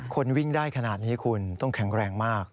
คนวิ่งได้ขนาดนี้คุณต้องแข็งแรงมาก